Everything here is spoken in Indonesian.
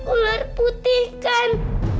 ular putih kan